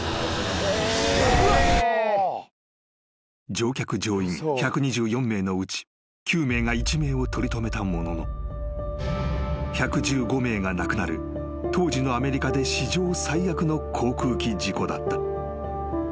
［乗客乗員１２４名のうち９名が一命を取り留めたものの１１５名が亡くなる当時のアメリカで史上最悪の航空機事故だった］